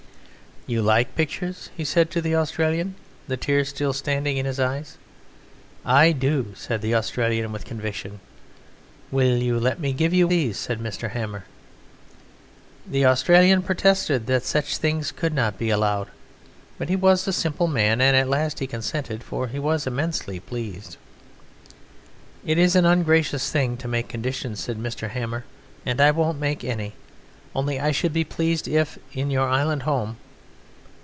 "You like pictures?" he said to the Australian, the tears still standing in his eyes. "I do!" said the Australian with conviction. "Will you let me give you these?" said Mr. Hammer. The Australian protested that such things could not be allowed, but he was a simple man, and at last he consented, for he was immensely pleased. "It is an ungracious thing to make conditions," said Mr. Hammer, "and I won't make any, only I should be pleased if, in your island home...."